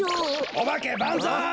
おばけバンザイ！